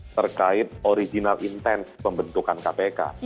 terkait original intens pembentukan kpk